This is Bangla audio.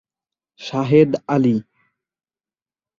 শাহেদ আলী